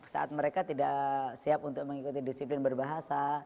saat mereka tidak siap untuk mengikuti disiplin berbahasa